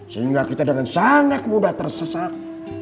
sehingga kita dengan sangat mudah tersesat